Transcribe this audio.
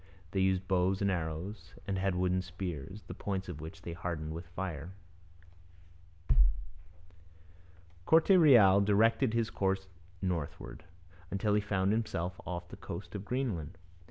They used bows and arrows, and had wooden spears, the points of which they hardened with fire. Corte Real directed his course northward, until he found himself off the coast of Greenland.